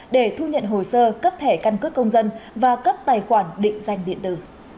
để thu nhận hồ sơ cấp thẻ căn cước công dân và cấp tài khoản định danh điện tử